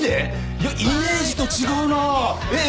いやイメージと違うなえっ？